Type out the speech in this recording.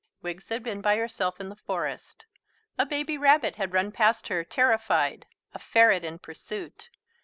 Wiggs had been by herself in the forest. A baby rabbit had run past her, terrified; a ferret in pursuit.